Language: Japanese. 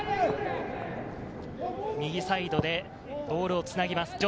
右サイドでボールをつなぎます。